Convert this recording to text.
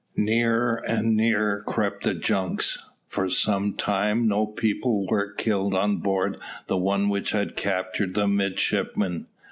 Nearer and nearer crept the junks. For some time no people were killed on board the one which had captured the midshipmen.